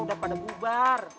udah k pegawai